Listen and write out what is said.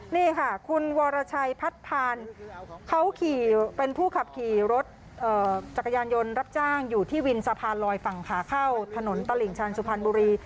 นี่ค่ะคุณวรชัยพัดพานเขาขี่เป็นผู้ขับขี่รถจักรยานยนต์รับจ้างอยู่ที่วินสะพานลอยฝั่งขาเข้าถนนตลิ่งชันสุพรรณบุรี